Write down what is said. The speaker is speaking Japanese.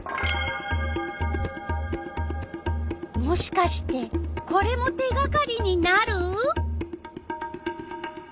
もしかしてこれも手がかりになる？